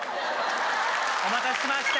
お待たせしました！